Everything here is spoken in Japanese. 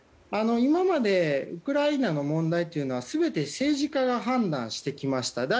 今までウクライナの問題というのは全て政治家が判断してきました。